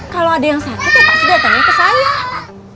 kalau ada yang sakit ya pasti datangnya ke saya